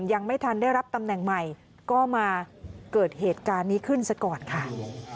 ยังไม่ทันได้รับตำแหน่งใหม่ก็มาเกิดเหตุการณ์นี้ขึ้นซะก่อนค่ะ